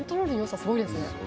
すごいですね。